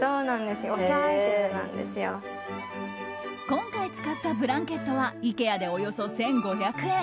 今回、使ったブランケットはＩＫＥＡでおよそ１５００円。